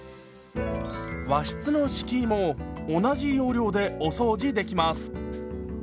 和室の敷居も同じ要領でお掃除できます。